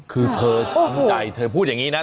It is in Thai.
คือเธอช่างใจ